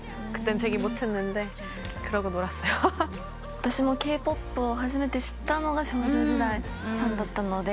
私もＫ−ＰＯＰを初めて知ったのが少女時代さんだった。